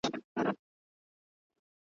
جوړدحسن شورما شوردي پرجهان دئ